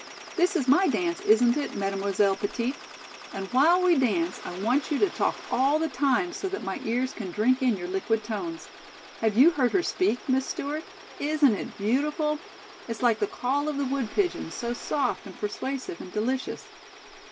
"This is my dance isn't it, Mademoiselle Petite? And while we dance, I want you to talk all the time so that my ears can drink in your liquid tones. Have you heard her speak, Miss Stewart? Isn't it beautiful? It's like the call of the wood pigeon, so soft and persuasive and delicious."